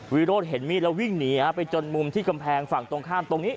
วิโรธเห็นมีดแล้ววิ่งหนีไปจนมุมที่กำแพงฝั่งตรงข้ามตรงนี้